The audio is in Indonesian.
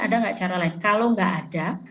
ada gak cara lain kalau gak ada